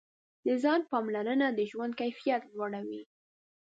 د ځان پاملرنه د ژوند کیفیت لوړوي.